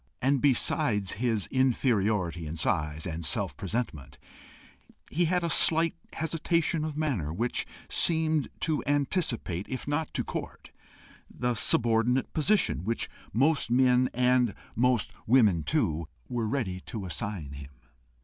And besides his inferiority in size and self presentment, he had a slight hesitation of manner, which seemed to anticipate, if not to court, the subordinate position which most men, and most women too, were ready to assign him.